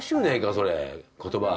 それ言葉。